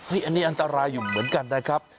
อันนี้อันตรายอยู่เหมือนกันนะครับ